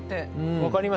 分かります？